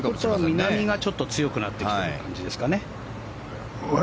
南がちょっと強くなってきてる感じですかね。